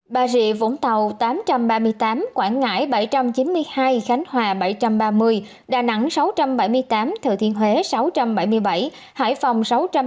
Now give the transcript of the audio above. bà rịa vũng tàu tám trăm ba mươi tám quảng ngãi bảy trăm chín mươi hai khánh hòa bảy trăm ba mươi đà nẵng sáu trăm bảy mươi tám thừa thiên huế sáu trăm bảy mươi bảy hải phòng sáu trăm ba mươi